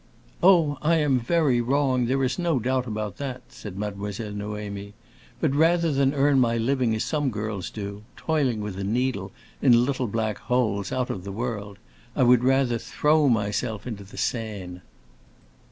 "Oh, I am very wrong, there is no doubt about that," said Mademoiselle Noémie. "But rather than earn my living as some girls do—toiling with a needle, in little black holes, out of the world—I would throw myself into the Seine."